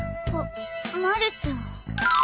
あっまるちゃん。